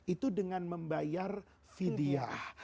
itu dengan membayar fidyah